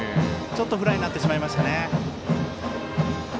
ちょっとフライになってしまいましたね。